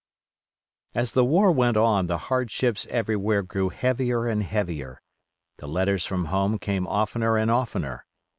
As the war went on the hardships everywhere grew heavier and heavier; the letters from home came oftener and oftener.